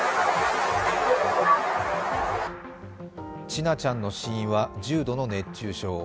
千奈ちゃんの死因は重度の熱中症。